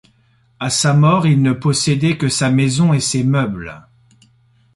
À sa mort, il ne possédait que sa maison et ses meubles.